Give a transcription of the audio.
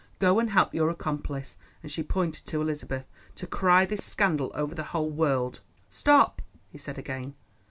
Go and help your accomplice," and she pointed to Elizabeth, "to cry this scandal over the whole world." "Stop," he said again.